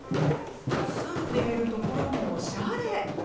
住んでいる所もおしゃれ！